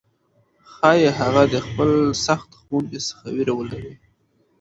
ښايي هغه د خپل سخت ښوونکي څخه ویره ولري،